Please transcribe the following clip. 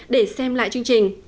để xem lại chương trình